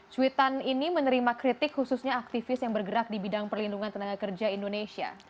cuitan ini menerima kritik khususnya aktivis yang bergerak di bidang perlindungan tenaga kerja indonesia